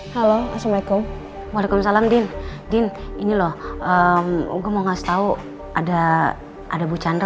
halo assalamualaikum waalaikumsalam dean dean ini loh gua mau ngasih tahu ada ada bu chandra